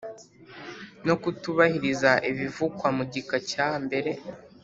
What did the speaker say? no kutubahiriza ibivugwa mu gika cya mbere